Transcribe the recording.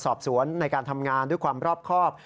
สอบสวนในการทำงานด้วยความรอบครอบ